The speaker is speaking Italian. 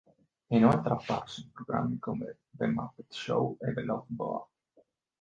È inoltre apparso in programmi come "The Muppet Show" e "The Love Boat".